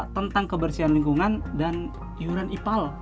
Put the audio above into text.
tentang kebersihan lingkungan dan iuran ipal